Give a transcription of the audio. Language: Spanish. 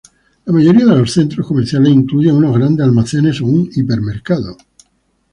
La mayoría de los centros comerciales incluyen unos grandes almacenes o un hipermercado.